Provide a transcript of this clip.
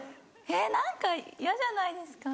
えっ何か嫌じゃないですか？